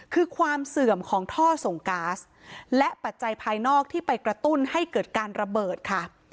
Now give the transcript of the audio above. คือความเสื่อมของท่อส่งก๊าซและปัจจัยภายนอกที่ไปกระตุ้นให้เกิดการระเบิดค่ะ